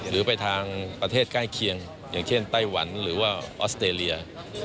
หรือไปทางประเทศใกล้เคียงอย่างเช่นไต้หวันหรือว่าออสเตรเลีย